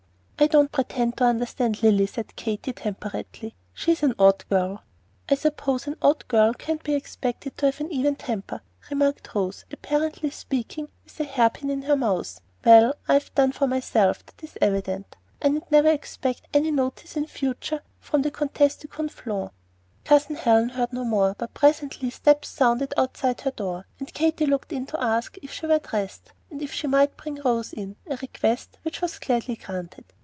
"I don't pretend to understand Lilly," said Katy, temperately; "she is an odd girl." "I suppose an odd girl can't be expected to have an even temper," remarked Rose, apparently speaking with a hairpin in her mouth. "Well, I've done for myself, that is evident. I need never expect any notice in future from the Comtesse de Conflans." Cousin Helen heard no more, but presently steps sounded outside her door, and Katy looked in to ask if she were dressed, and if she might bring Rose in, a request which was gladly granted.